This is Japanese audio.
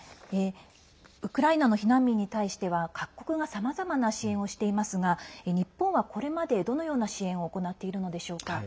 ウクライナの避難民に対しては各国がさまざまな支援をしていますが日本は、これまでどのような支援を行っているのでしょうか？